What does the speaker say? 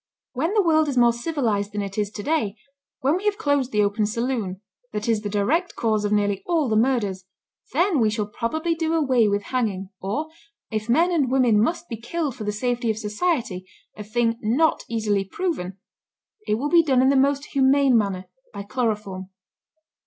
When the world is more civilized than it is to day, when we have closed the open saloon, that is the direct cause of nearly all the murders, then we shall probably do away with hanging; or, if men and women must be killed for the safety of society, a thing not easily proven, it will be done in the most humane manner, by chloroform.